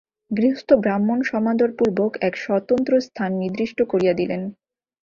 গৃহস্থ ব্রাহ্মণ সমাদরপূর্বক এক স্বতন্ত্র স্থান নির্দিষ্ট করিয়া দিলেন।